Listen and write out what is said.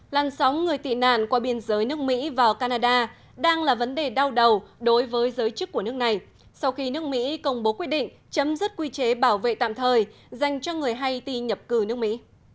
làn sóng người tị nạn qua biên giới nước mỹ vào canada đang là vấn đề đau đầu đối với giới chức của nước này sau khi nước mỹ công bố quyết định chấm dứt quy chế bảo vệ tạm thời dành cho người haiti nhập cư nước mỹ